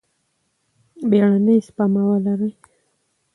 بیړنۍ سپما ولرئ.